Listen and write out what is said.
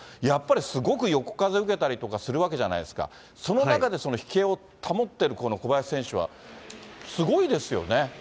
やっぱりすごく横風受けたりとかするわけじゃないですか、その中で、飛型を保ってる小林選手は、すごいですよね。